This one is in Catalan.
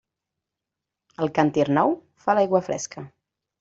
El càntir nou fa l'aigua fresca.